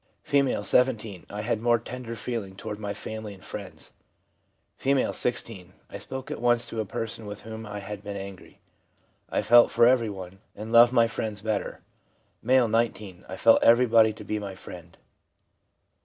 F., 17. 1 I had more tender feeling toward my family and friends.' F., 16. 'I spoke at once to a person with whom I had been angry. I felt for everyone, and loved my friends better.' M., 19. ' I felt everybody to be my friend.'